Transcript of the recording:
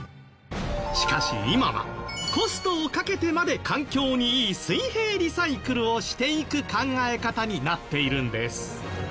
しかし今はコストをかけてまで環境にいい水平リサイクルをしていく考え方になっているんです。